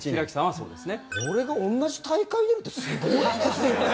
それが同じ大会に出るってすごいですよね！